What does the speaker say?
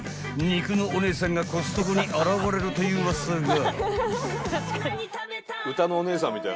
肉のお姉さんがコストコに現れるというウワサが］